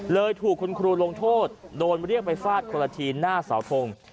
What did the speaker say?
เลยถูกคุณครูลงโทษโดนเรียกไปฟาดคนละทีหน้าเสาทง